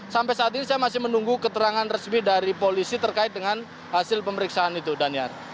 sampai saat ini saya masih menunggu keterangan resmi dari polisi terkait dengan hasil pemeriksaan itu daniar